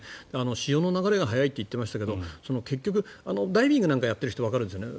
潮の流れが速いといってましたがダイビングなんかをやっている人はわかるんですよね